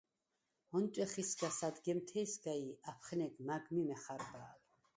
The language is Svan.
ონტვეხ ისგა სადგემთეჲსგა ი აფხნეგ მა̈გ მი მეხარბალ.